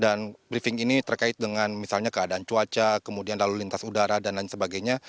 dan briefing ini terkait dengan misalnya keadaan cuaca kemudian lalu lintas udara dan lain sebagainya